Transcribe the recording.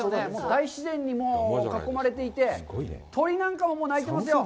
大自然に囲まれていて、鳥なんかも鳴いてますよ。